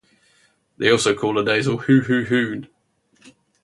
They also call a nasal "hoo-hoo-hoon".